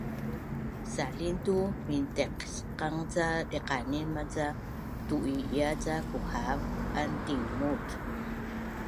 salin tu mintaisqang ca diqanin maca tu’i’ia ca kuhav an tingmut